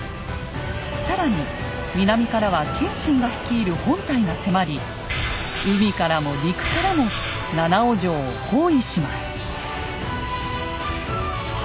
更に南からは謙信が率いる本隊が迫り海からも陸からも七尾城を包囲します。